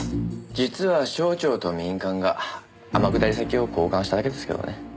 実は省庁と民間が天下り先を交換しただけですけどね。